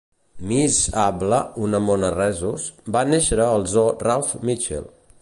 Miss Able, una mona rhesus, va néixer al zoo Ralph Mitchell.